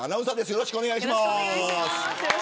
よろしくお願いします。